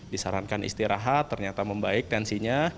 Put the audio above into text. disarankan istirahat ternyata membaik tensinya